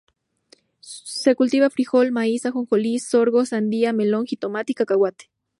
Se cultiva frijol, maíz, ajonjolí, sorgo, sandía, melón, jitomate y cacahuate.